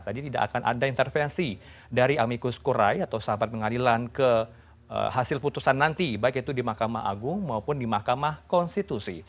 tadi tidak akan ada intervensi dari amikus kurai atau sahabat pengadilan ke hasil putusan nanti baik itu di mahkamah agung maupun di mahkamah konstitusi